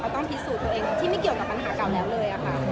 ต้องพิสูจน์ตัวเองที่ไม่เกี่ยวกับปัญหาเก่าแล้วเลยค่ะ